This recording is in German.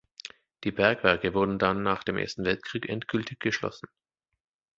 Die Bergwerke wurden dann nach dem Ersten Weltkrieg endgültig geschlossen.